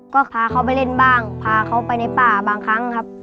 ก็พาเขาไปเล่นบ้างพาเขาไปในป่าบางครั้งครับ